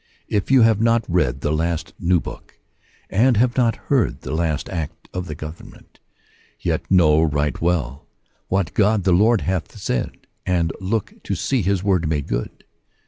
If you have not read the last new book, and have not heard the last Act of the Government, yet know right well what God the Lord hath said, and look to see his word made good.